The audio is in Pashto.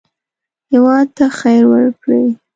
هېواد ته خیر ورکړئ